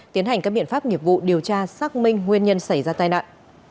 tiến hành các biện pháp nghiệp vụ điều tra xác minh nguyên nhân xảy ra tai nạn